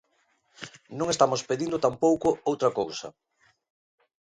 Non estamos pedindo tampouco outra cousa.